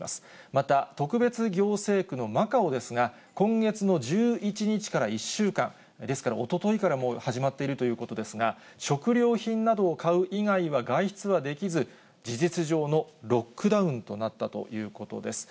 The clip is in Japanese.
また、特別行政区のマカオですが、今月の１１日から１週間、ですからおとといからもう始まっているということですが、食料品などを買う以外は外出はできず、事実上のロックダウンとなったということです。